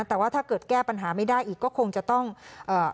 แต่ว่าถ้าเกิดแก้ปัญหาไม่ได้อีกก็คงจะต้องเอ่อ